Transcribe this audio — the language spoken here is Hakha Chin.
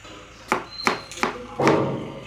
Na it hlan paoh ah na innka hrenh peng.